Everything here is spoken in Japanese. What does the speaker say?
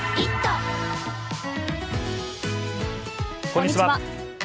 こんにちは。